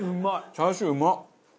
チャーシューうまっ！